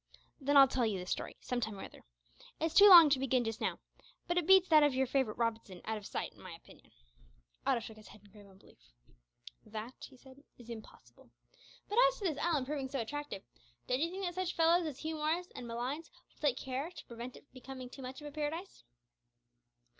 "Then I'll tell you the story some time or other. It's too long to begin just now, but it beats that of your favourite Robinson out of sight in my opinion." Otto shook his head in grave unbelief. "That," he said, "is impossible. But as to this island proving so attractive, don't you think that such fellows as Hugh Morris and Malines will take care to prevent it becoming too much of a paradise?"